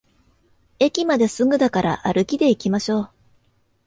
駅まですぐだから歩きでいきましょう